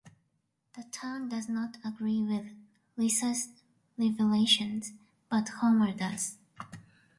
The town does not agree with Lisa's revelations, but Homer does.